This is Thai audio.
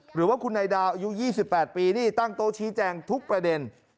หรือว่าคุณนายดาวอายุ๒๘ปีนี่ตั้งโต๊ะชี้แจงทุกประเด็น